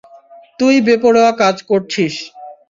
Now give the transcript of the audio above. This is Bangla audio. তুই বেপরোয়া কাজ করছিস।